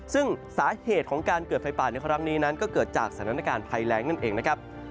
ซึ่งสาเหตุของการเกิดไฟป่าในครั้งนี้นั้นก็เกิดจากสถานการณ์ภัยแรงนั่นเองนะครับ